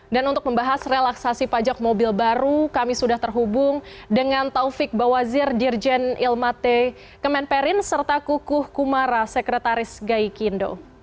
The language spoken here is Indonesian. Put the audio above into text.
dan untuk membahas relaksasi pajak mobil baru kami sudah terhubung dengan taufik bawazir dirjen ilmate kemenperin serta kukuh kumara sekretaris gai kindo